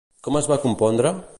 Com es va compondre?